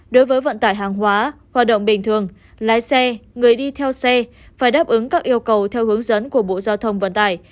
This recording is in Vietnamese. đối với vận tải hàng hóa hoạt động bình thường lái xe người đi theo xe phải đáp ứng các yêu cầu theo hướng dẫn của bộ giao thông vận tải